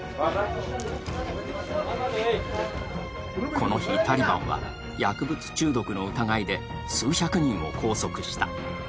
この日、タリバンは薬物中毒の疑いで数百人を拘束した。